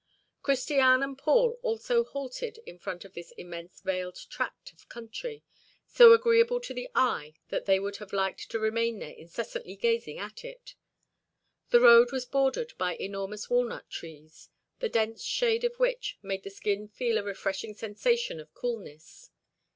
Christiane and Paul also halted in front of this immense veiled tract of country, so agreeable to the eye that they would have liked to remain there incessantly gazing at it. The road was bordered by enormous walnut trees, the dense shade of which made the skin feel a refreshing sensation of coolness.